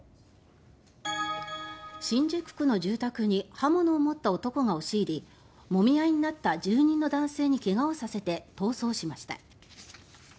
新宿区の住宅に刃物を持った男が押し入りもみ合いになった住人の男性に怪我をさせて逃走しました。